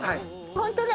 ホントだ。